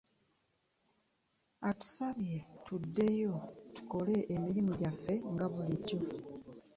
Atusabye tuddeyo tukole emirimu gyaffe nga bulijjo.